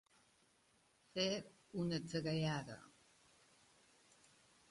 Fer una atzagaiada.